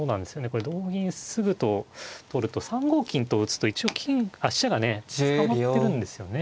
これ同銀直と取ると３五金と打つと一応飛車がね捕まってるんですよね。